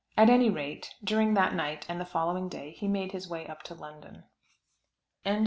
At any rate, during that night and the following day he made his way up to London. CHAPTER XV.